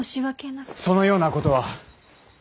そのようなことは！